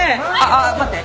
あっ待って。